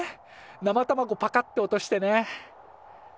生卵パカって落としてね。